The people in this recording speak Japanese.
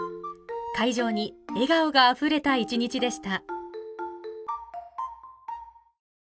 会場に笑顔があふれた一日でした。